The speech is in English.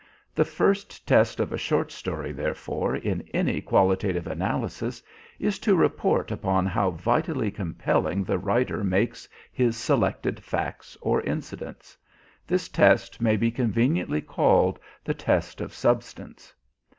The first test of a short story, therefore, in any qualitative analysis is to report upon how vitally compelling the writer makes his selected facts or incidents. This test may be conveniently called the test of substance.